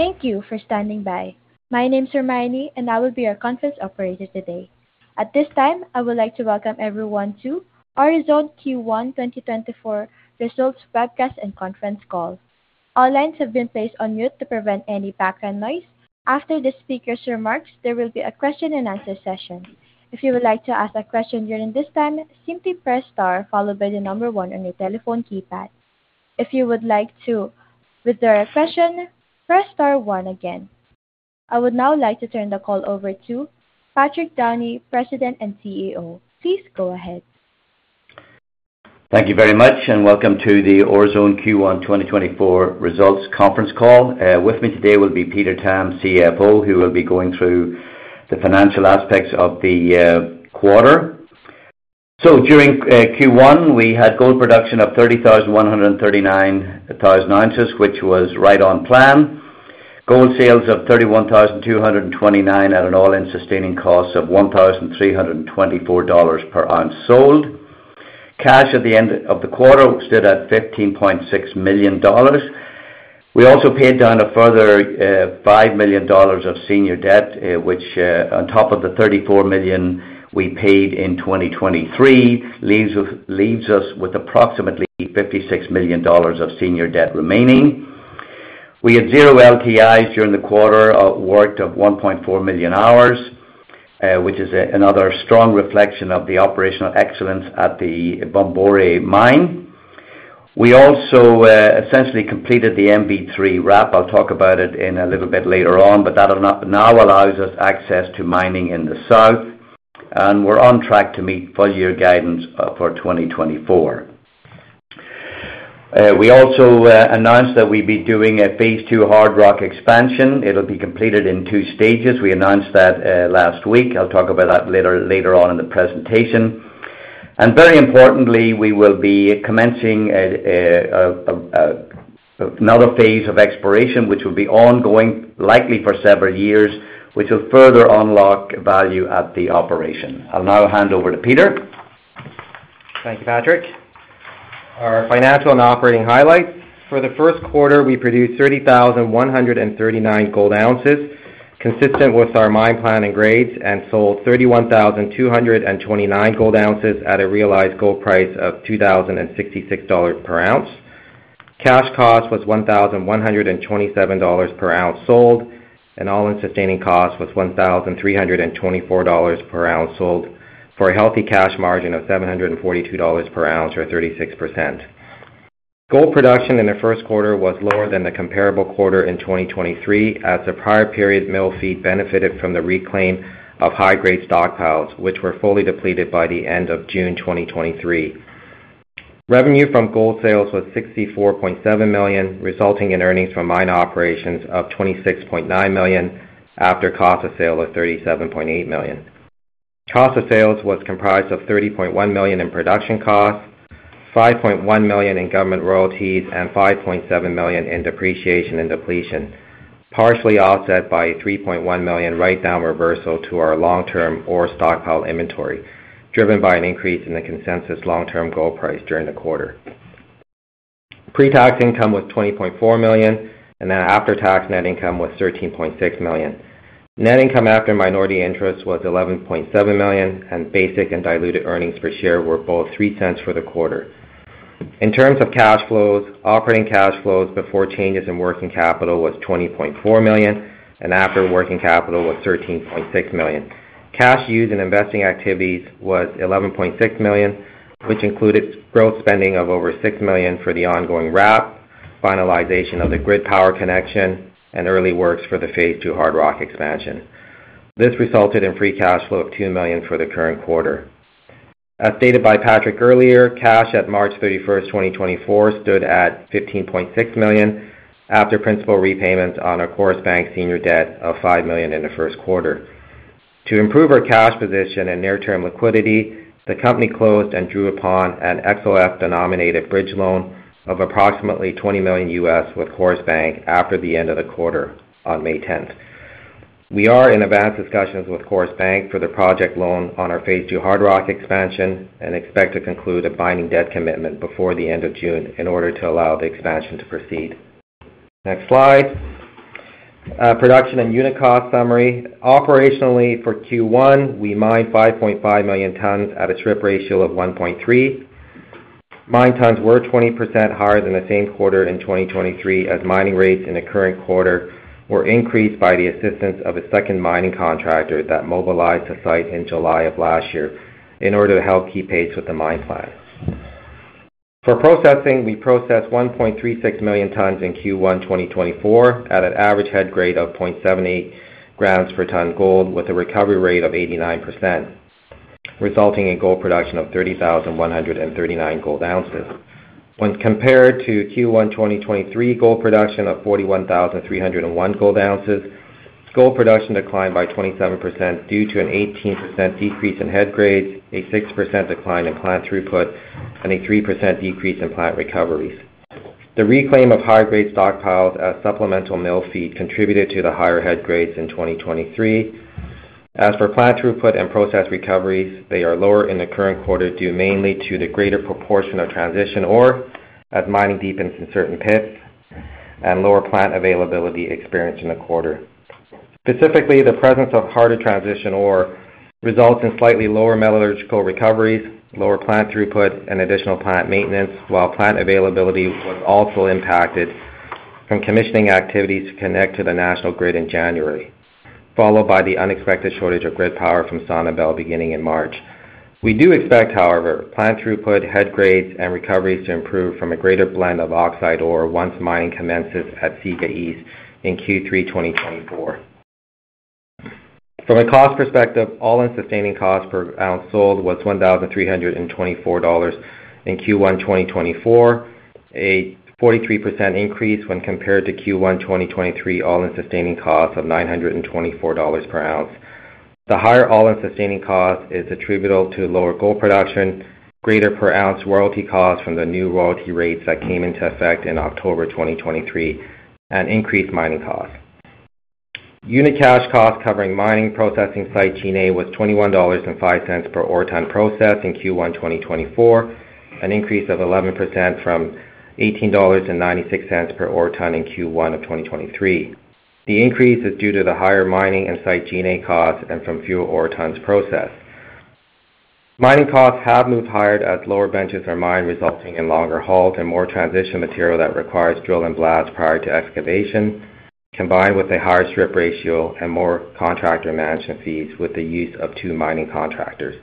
Thank you for standing by. My name's Hermione, and I will be your conference operator today. At this time, I would like to welcome everyone to Orezone Q1 2024 Results Webcast and Conference Call. All lines have been placed on mute to prevent any background noise. After the speaker's remarks, there will be a question-and-answer session. If you would like to ask a question during this time, simply press star followed by the number one on your telephone keypad. If you would like to withdraw your question, press star one again. I would now like to turn the call over to Patrick Downey, President and CEO. Please go ahead. Thank you very much, and welcome to the Orezone Q1 2024 Results Conference Call. With me today will be Peter Tam, CFO, who will be going through the financial aspects of the quarter. So during Q1, we had gold production of 30,139 ounces, which was right on plan. Gold sales of 31,229 at an All-In Sustaining Cost of $1,324 per ounce sold. Cash at the end of the quarter stood at $15.6 million. We also paid down a further $5 million of senior debt, which, on top of the $34 million we paid in 2023, leaves us with approximately $56 million of senior debt remaining. We had zero LTIs during the quarter, a work of 1.4 million hours, which is another strong reflection of the operational excellence at the Bomboré mine. We also essentially completed the MV3 RAP. I'll talk about it in a little bit later on, but that now allows us access to mining in the south, and we're on track to meet full-year guidance for 2024. We also announced that we'd be doing a Phase 2 Hard Rock Expansion. It'll be completed in two stages. We announced that last week. I'll talk about that later on in the presentation. And very importantly, we will be commencing another phase of exploration, which will be ongoing, likely for several years, which will further unlock value at the operation. I'll now hand over to Peter. Thank you, Patrick. Our financial and operating highlights: for the first quarter, we produced 30,139 gold ounces, consistent with our mine plan and grades, and sold 31,229 gold ounces at a realized gold price of $2,066 per ounce. Cash cost was $1,127 per ounce sold, and All-In Sustaining Cost was $1,324 per ounce sold, for a healthy cash margin of $742 per ounce, or 36%. Gold production in the first quarter was lower than the comparable quarter in 2023, as the prior period mill feed benefited from the reclaim of high-grade stockpiles, which were fully depleted by the end of June 2023. Revenue from gold sales was $64.7 million, resulting in earnings from mine operations of $26.9 million after cost of sale of $37.8 million. Cost of sales was comprised of $30.1 million in production costs, $5.1 million in government royalties, and $5.7 million in depreciation and depletion, partially offset by a $3.1 million write-down reversal to our long-term ore stockpile inventory, driven by an increase in the consensus long-term gold price during the quarter. Pre-tax income was $20.4 million, and then after-tax net income was $13.6 million. Net income after minority interest was $11.7 million, and basic and diluted earnings per share were both $0.03 for the quarter. In terms of cash flows, operating cash flows before changes in working capital was $20.4 million, and after working capital was $13.6 million. Cash used in investing activities was $11.6 million, which included growth spending of over $6 million for the ongoing RAP, finalization of the grid power connection, and early works for the Phase 2 Hard Rock Expansion. This resulted in free cash flow of $2 million for the current quarter. As stated by Patrick earlier, cash at March 31, 2024, stood at $15.6 million after principal repayments on our Coris Bank senior debt of $5 million in the first quarter. To improve our cash position and near-term liquidity, the company closed and drew upon an XOF-denominated bridge loan of approximately $20 million U.S. with Coris Bank after the end of the quarter on May 10th. We are in advanced discussions with Coris Bank for the project loan on our Phase 2 Hard Rock Expansion and expect to conclude a binding debt commitment before the end of June in order to allow the expansion to proceed. Next slide. Production and unit cost summary: operationally, for Q1, we mined 5.5 million tons at a strip ratio of 1.3. Mined tons were 20% higher than the same quarter in 2023, as mining rates in the current quarter were increased by the assistance of a second mining contractor that mobilized the site in July of last year in order to help keep pace with the mine plan. For processing, we processed 1.36 million tons in Q1 2024 at an average head grade of 0.78 grams per ton gold, with a recovery rate of 89%, resulting in gold production of 30,139 gold ounces. When compared to Q1 2023 gold production of 41,301 gold ounces, gold production declined by 27% due to an 18% decrease in head grades, a 6% decline in plant throughput, and a 3% decrease in plant recoveries. The reclaim of high-grade stockpiles as supplemental mill feed contributed to the higher head grades in 2023. As for plant throughput and process recoveries, they are lower in the current quarter due mainly to the greater proportion of transition ore, as mining deepens in certain pits, and lower plant availability experienced in the quarter. Specifically, the presence of harder transition ore results in slightly lower metallurgical recoveries, lower plant throughput, and additional plant maintenance, while plant availability was also impacted from commissioning activities to connect to the national grid in January, followed by the unexpected shortage of grid power from SONABEL beginning in March. We do expect, however, plant throughput, head grades, and recoveries to improve from a greater blend of oxide ore once mining commences at Siga East in Q3 2024. From a cost perspective, All-In Sustaining Cost per ounce sold was $1,324 in Q1 2024, a 43% increase when compared to Q1 2023 All-In Sustaining Cost of $924 per ounce. The higher All-In Sustaining Cost is attributable to lower gold production, greater per ounce royalty costs from the new royalty rates that came into effect in October 2023, and increased mining costs. Unit cash cost covering mining, processing, site G&A was $21.05 per ore ton processed in Q1 2024, an increase of 11% from $18.96 per ore ton in Q1 of 2023. The increase is due to the higher mining and site G&A costs and from fewer ore tons processed. Mining costs have moved higher as lower benches are mined, resulting in longer hauls and more transition material that requires drill and blast prior to excavation, combined with a higher strip ratio and more contractor management fees with the use of two mining contractors.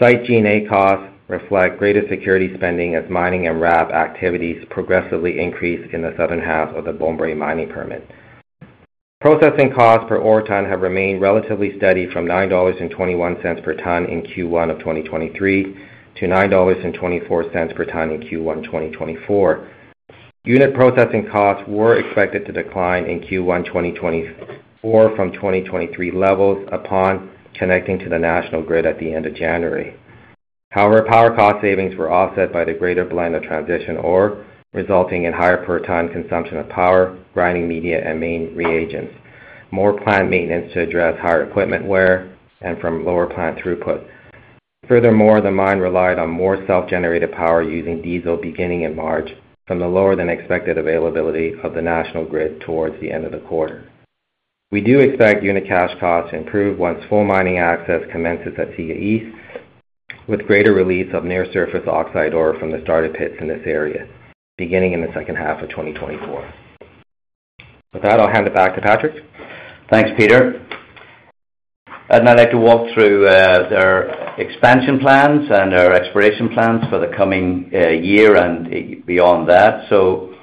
Site G&A costs reflect greater security spending as mining and RAP activities progressively increase in the southern half of the Bomboré mining permit. Processing costs per ore ton have remained relatively steady from $9.21 per ton in Q1 of 2023 to $9.24 per ton in Q1 2024. Unit processing costs were expected to decline in Q1 2024 from 2023 levels upon connecting to the national grid at the end of January. However, power cost savings were offset by the greater blend of transition ore, resulting in higher per ton consumption of power, grinding media, and main reagents, more plant maintenance to address higher equipment wear, and from lower plant throughput. Furthermore, the mine relied on more self-generated power using diesel beginning in March from the lower-than-expected availability of the national grid towards the end of the quarter. We do expect unit cash costs to improve once full mining access commences at Siga East, with greater release of near-surface oxide ore from the started pits in this area, beginning in the second half of 2024. With that, I'll hand it back to Patrick. Thanks, Peter. I'd now like to walk through their expansion plans and their exploration plans for the coming year and beyond that. So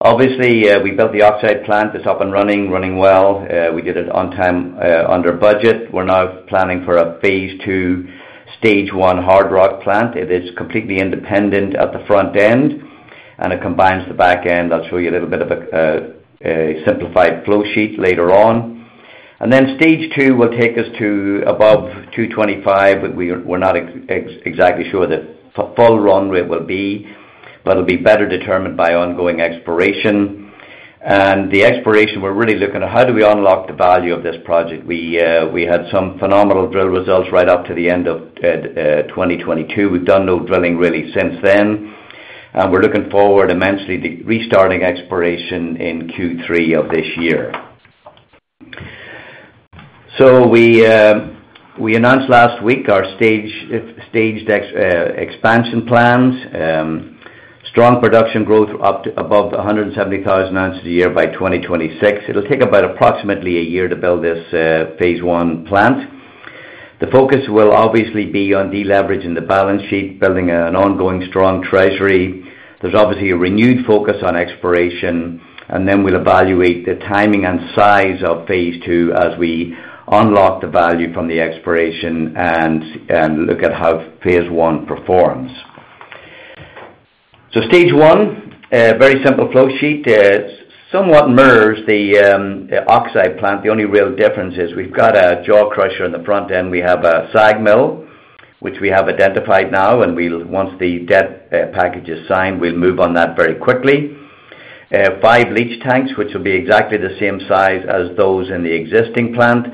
obviously, we built the oxide plant. It's up and running, running well. We did it on time under budget. We're now planning for a Phase 2 Stage 1 Hard Rock Plant. It is completely independent at the front end, and it combines the back end. I'll show you a little bit of a simplified flow sheet later on. And then Stage 2 will take us to above 225. We're not exactly sure the full runway will be, but it'll be better determined by ongoing exploration. And the exploration, we're really looking at how do we unlock the value of this project. We had some phenomenal drill results right up to the end of 2022. We've done no drilling really since then, and we're looking forward immensely to restarting exploration in Q3 of this year. So we announced last week our staged expansion plans, strong production growth above 170,000 ounces a year by 2026. It'll take about approximately a year to build this Phase 1 plant. The focus will obviously be on deleveraging the balance sheet, building an ongoing strong treasury. There's obviously a renewed focus on exploration, and then we'll evaluate the timing and size of Phase 2 as we unlock the value from the exploration and look at how Phase 1 performs. So Stage 1, very simple flow sheet, somewhat mirrors the oxide plant. The only real difference is we've got a jaw crusher in the front end. We have a SAG mill, which we have identified now, and once the debt package is signed, we'll move on that very quickly. Five leach tanks, which will be exactly the same size as those in the existing plant,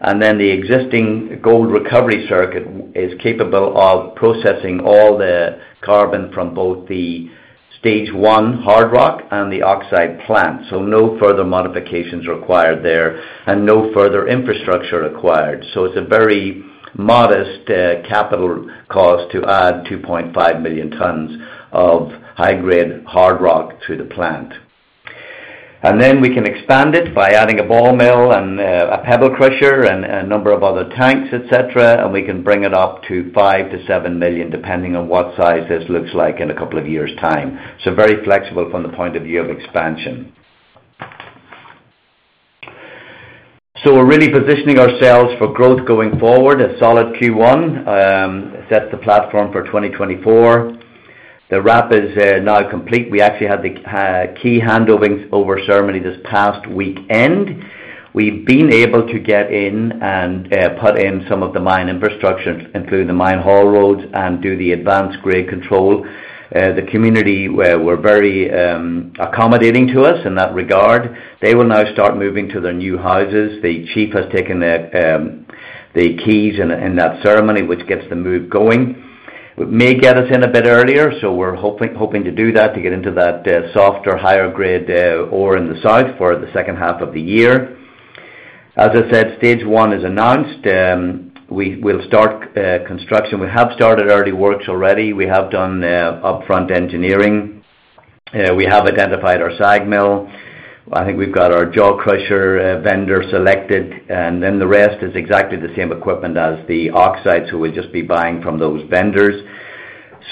and then the existing gold recovery circuit is capable of processing all the carbon from both the Stage 1 hard rock and the oxide plant. So no further modifications required there and no further infrastructure required. So it's a very modest capital cost to add 2.5 million tons of high-grade hard rock through the plant. And then we can expand it by adding a ball mill and a pebble crusher and a number of other tanks, etc., and we can bring it up to 5 million-7 million, depending on what size this looks like in a couple of years' time. So very flexible from the point of view of expansion. So we're really positioning ourselves for growth going forward. A solid Q1 sets the platform for 2024. The RAP is now complete. We actually had the key handover ceremony this past weekend. We've been able to get in and put in some of the mine infrastructure, including the mine haul roads, and do the advance grade control. The community were very accommodating to us in that regard. They will now start moving to their new houses. The chief has taken the keys in that ceremony, which gets the move going. It may get us in a bit earlier, so we're hoping to do that, to get into that softer, higher-grade ore in the south for the second half of the year. As I said, Phase 1 is announced. We'll start construction. We have started early works already. We have done upfront engineering. We have identified our SAG mill. I think we've got our jaw crusher vendor selected, and then the rest is exactly the same equipment as the oxides, so we'll just be buying from those vendors.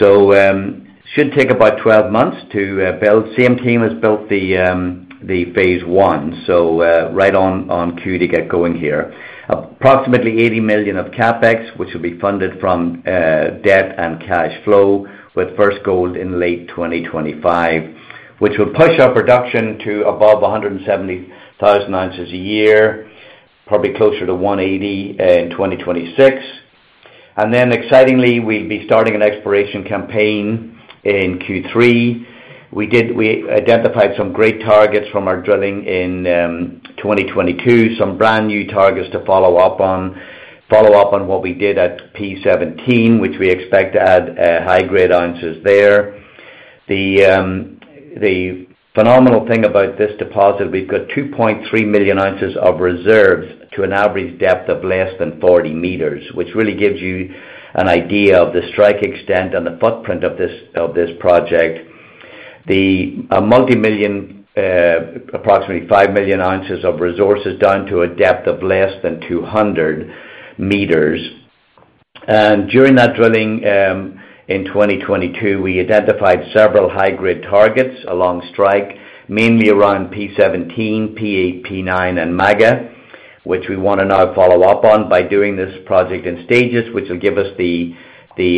So it should take about 12 months to build. Same team has built the Phase 1, so right on cue to get going here. Approximately $80 million of CapEx, which will be funded from debt and cash flow, with first gold in late 2025, which will push our production to above 170,000 ounces a year, probably closer to 180,000 ounces in 2026. Then excitingly, we'll be starting an exploration campaign in Q3. We identified some great targets from our drilling in 2022, some brand new targets to follow up on what we did at P17, which we expect to add high-grade ounces there. The phenomenal thing about this deposit, we've got 2.3 million ounces of reserves to an average depth of less than 40 meters, which really gives you an idea of the strike extent and the footprint of this project. A multimillion, approximately 5 million ounces of resources down to a depth of less than 200 meters. And during that drilling in 2022, we identified several high-grade targets along strike, mainly around P17, P8, P9, and Maga, which we want to now follow up on by doing this project in stages, which will give us the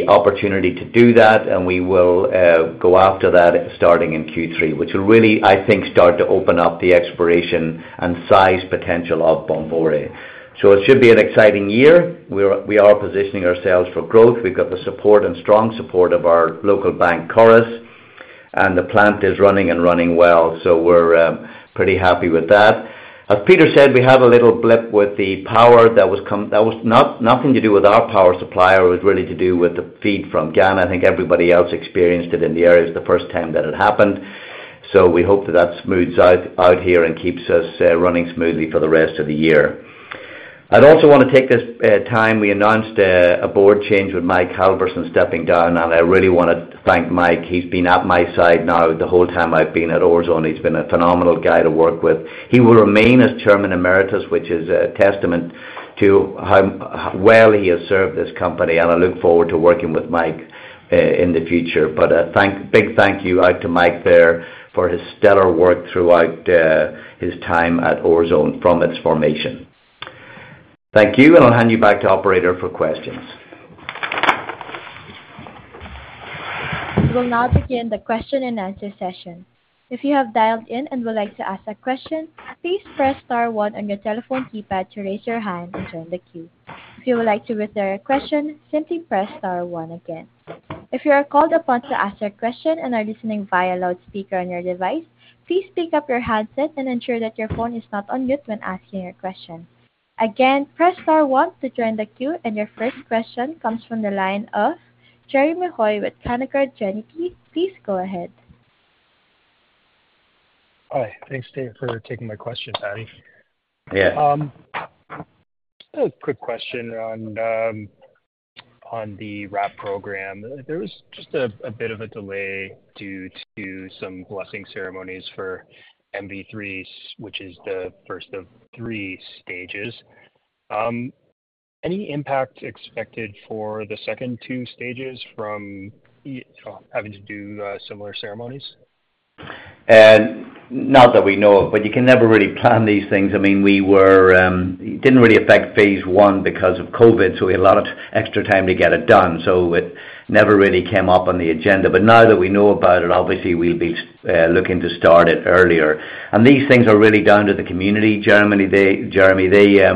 opportunity to do that, and we will go after that starting in Q3, which will really, I think, start to open up the exploration and size potential of Bomboré. So it should be an exciting year. We are positioning ourselves for growth. We've got the support and strong support of our local bank, Coris, and the plant is running and running well, so we're pretty happy with that. As Peter said, we had a little blip with the power. That was nothing to do with our power supply. It was really to do with the feed from Ghana. I think everybody else experienced it in the area the first time that it happened, so we hope that that smooths out here and keeps us running smoothly for the rest of the year. I'd also want to take this time. We announced a board change with Mike Halvorson stepping down, and I really want to thank Mike. He's been at my side now the whole time I've been at Orezone. He's been a phenomenal guy to work with. He will remain as chairman emeritus, which is a testament to how well he has served this company, and I look forward to working with Mike in the future. But a big thank you out to Mike there for his stellar work throughout his time at Orezone from its formation. Thank you, and I'll hand you back to operator for questions. We will now begin the question-and-answer session. If you have dialed in and would like to ask a question, please press star one on your telephone keypad to raise your hand and join the queue. If you would like to reiterate a question, simply press star one again. If you are called upon to ask a question and are listening via loudspeaker on your device, please pick up your handset and ensure that your phone is not on mute when asking your question. Again, press star one to join the queue, and your first question comes from the line of Jeremy Hoy with Canaccord Genuity. Please go ahead. Hi. Thanks, David, for taking my question, Patrick. A quick question on the RAP program. There was just a bit of a delay due to some blessing ceremonies for MV3, which is the first of three stages. Any impact expected for the second two stages from having to do similar ceremonies? Not that we know of, but you can never really plan these things. I mean, it didn't really affect Phase 1 because of COVID, so we had a lot of extra time to get it done, so it never really came up on the agenda. But now that we know about it, obviously, we'll be looking to start it earlier. And these things are really down to the community, Jeremy. They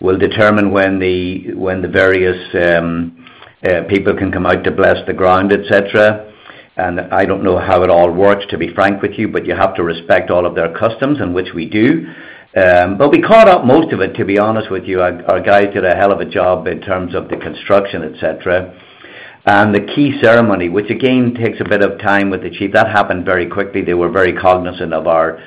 will determine when the various people can come out to bless the ground, etc. And I don't know how it all works, to be frank with you, but you have to respect all of their customs, in which we do. But we caught up most of it, to be honest with you. Our guys did a hell of a job in terms of the construction, etc. And the key ceremony, which again takes a bit of time with the chief, that happened very quickly. They were very cognizant of our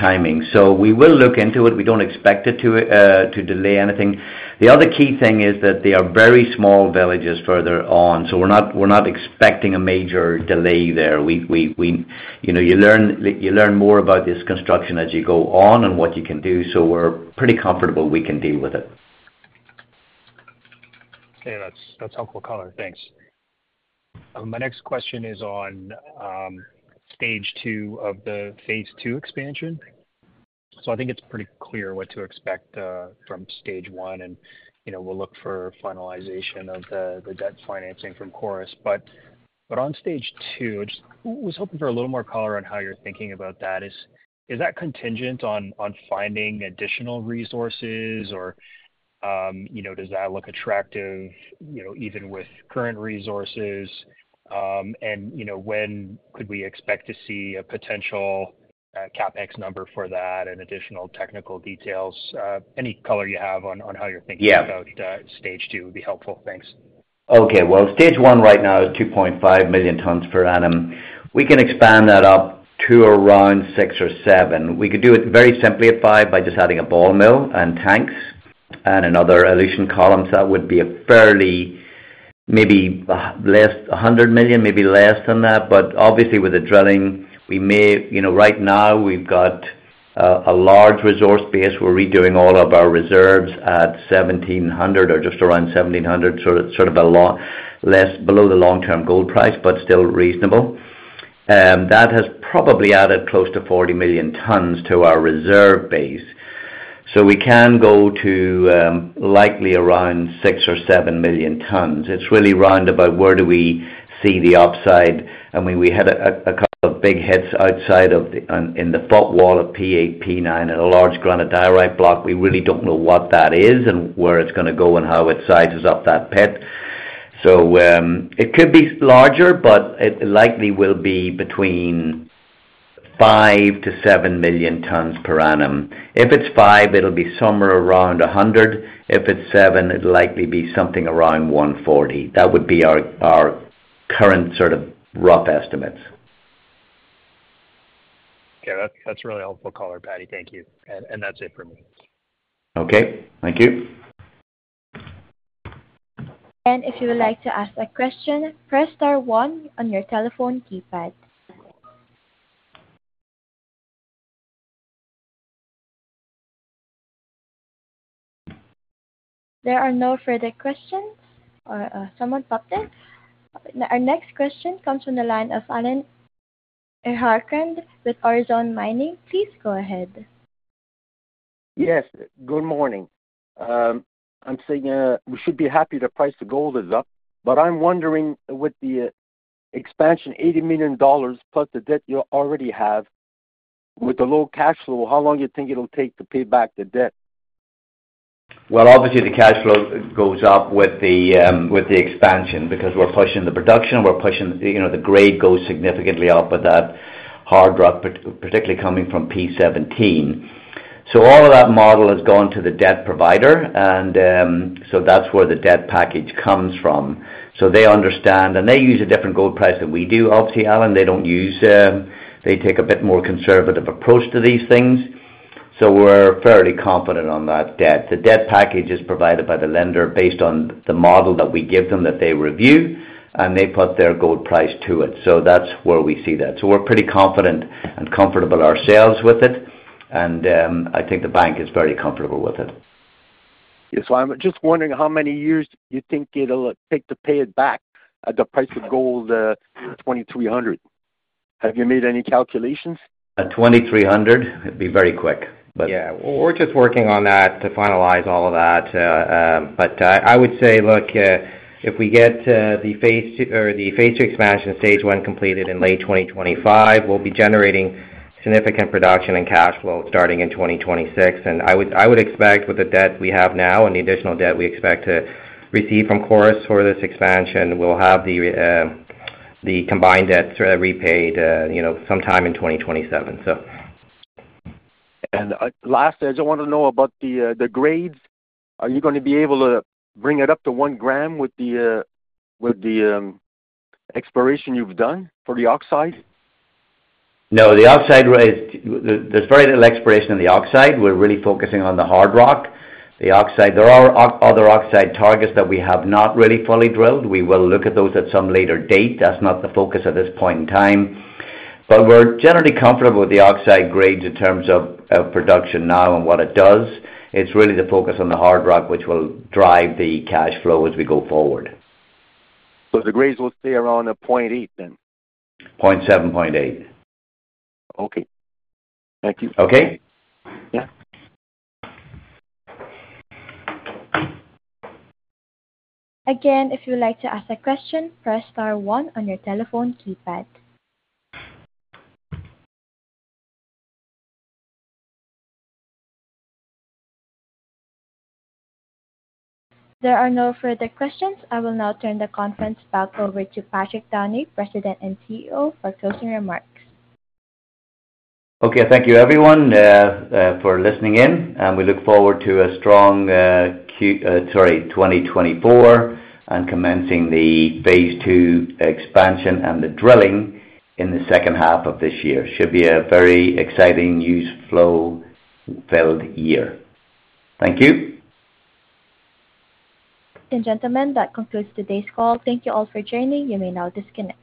timing. So we will look into it. We don't expect it to delay anything. The other key thing is that they are very small villages further on, so we're not expecting a major delay there. You learn more about this construction as you go on and what you can do, so we're pretty comfortable we can deal with it. Okay. That's helpful color. Thanks. My next question is on Stage 2 of the Phase 2 expansion. So I think it's pretty clear what to expect from Stage 1, and we'll look for finalization of the debt financing from Coris. But on Stage 2, I was hoping for a little more color on how you're thinking about that. Is that contingent on finding additional resources, or does that look attractive even with current resources? And when could we expect to see a potential CapEx number for that and additional technical details? Any color you have on how you're thinking about Stage 2 would be helpful. Thanks. Okay. Well, Stage 1 right now is 2.5 million tons per annum. We can expand that up to around 6 or 7. We could do it very simply at 5 by just adding a ball mill and tanks and another elution columns. That would be maybe less than $100 million, maybe less than that. But obviously, with the drilling, right now, we've got a large resource base. We're redoing all of our reserves at $1,700 or just around $1,700, sort of below the long-term gold price, but still reasonable. That has probably added close to 40 million tons to our reserve base, so we can go to likely around 6 or 7 million tons. It's really round about where do we see the upside. I mean, we had a couple of big hits outside in the footwall of P8, P9, and a large granodiorite block. We really don't know what that is and where it's going to go and how it sizes up that pit. So it could be larger, but it likely will be between 5 million tons per annum-7 million tons per annum. If it's 5, it'll be somewhere around 100. If it's 7, it'll likely be something around 140. That would be our current sort of rough estimates. Okay. That's really helpful color, Patty. Thank you. And that's it for me. Okay. Thank you. If you would like to ask a question, press star one on your telephone keypad. There are no further questions. Someone popped in. Our next question comes from the line of Alan Harkland with Orezone Gold Corporation. Please go ahead. Yes. Good morning. We should be happy to price the gold as up, but I'm wondering, with the expansion, $80 million plus the debt you already have, with the low cash flow, how long you think it'll take to pay back the debt? Well, obviously, the cash flow goes up with the expansion because we're pushing the production. The grade goes significantly up with that hard rock, particularly coming from P17. So all of that model has gone to the debt provider, and so that's where the debt package comes from. So they understand, and they use a different gold price than we do. Obviously, Alan, they take a bit more conservative approach to these things, so we're fairly confident on that debt. The debt package is provided by the lender based on the model that we give them that they review, and they put their gold price to it. So that's where we see that. So we're pretty confident and comfortable ourselves with it, and I think the bank is very comfortable with it. Yes. I'm just wondering how many years you think it'll take to pay it back, the price of gold, $2,300. Have you made any calculations? At 2,300? It'd be very quick, but. Yeah. We're just working on that to finalize all of that. But I would say, look, if we get the Phase 2 expansion and Stage 1 completed in late 2025, we'll be generating significant production and cash flow starting in 2026. And I would expect, with the debt we have now and the additional debt we expect to receive from Coris for this expansion, we'll have the combined debt repaid sometime in 2027, so. Lastly, I just want to know about the grades. Are you going to be able to bring it up to 1 gram with the exploration you've done for the oxide? No. There's very little exploration in the oxide. We're really focusing on the hard rock. There are other oxide targets that we have not really fully drilled. We will look at those at some later date. That's not the focus at this point in time. But we're generally comfortable with the oxide grades in terms of production now and what it does. It's really the focus on the hard rock, which will drive the cash flow as we go forward. The grades will stay around a 0.8 then? 0.7, 0.8. Okay. Thank you. Okay. Yeah. Again, if you would like to ask a question, press star one on your telephone keypad. There are no further questions. I will now turn the conference back over to Patrick Downey, president and CEO, for closing remarks. Okay. Thank you, everyone, for listening in. We look forward to a strong 2024 and commencing the Phase 2 expansion and the drilling in the second half of this year. Should be a very exciting news flow-filled year. Thank you. Gentlemen, that concludes today's call. Thank you all for joining. You may now disconnect.